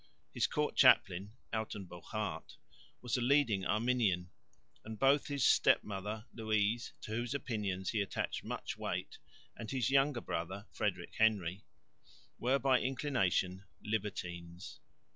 His court chaplain, Uyttenbogaert, was a leading Arminian; and both his step mother, Louise (see p. 78), to whose opinions he attached much weight, and his younger brother, Frederick Henry, were by inclination "libertines."